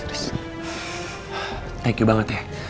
terima kasih banget ya